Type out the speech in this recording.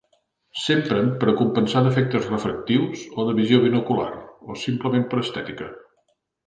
S'empren per a compensar defectes refractius o de visió binocular, o simplement per estètica.